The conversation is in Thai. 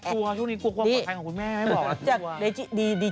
กลัวช่วงนี้กลัวของใครของคุณแม่ไม่ได้บอก